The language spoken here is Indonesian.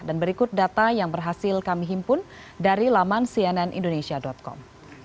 dan berikut data yang berhasil kami himpun dari laman cnnindonesia com